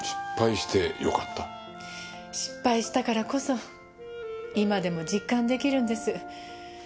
失敗したからこそ今でも実感出来るんです。